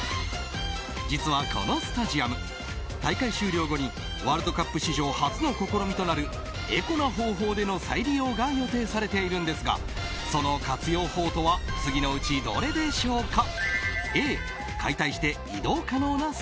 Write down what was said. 実はこのスタジアム大会終了後にワールドカップ史上初の試みとなるエコな方法での再利用が予定されているんですがその活用法とは次のうちどれでしょうか。